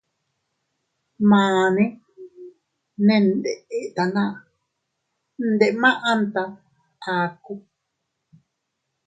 Mane ne ndetana, ndemanta aku.